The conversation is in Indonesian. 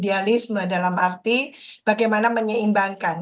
idealisme dalam arti bagaimana menyeimbangkan